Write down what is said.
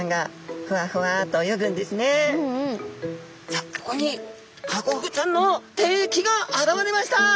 さあここにハコフグちゃんの敵が現れました！